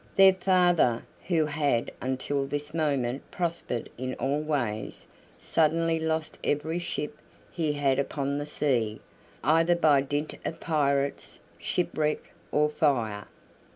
Their father, who had until this moment prospered in all ways, suddenly lost every ship he had upon the sea, either by dint of pirates, shipwreck, or fire.